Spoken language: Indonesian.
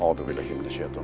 aduh ilahi minasyiatun